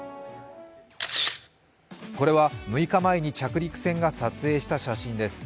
これは６日前に着陸船が撮影した写真です。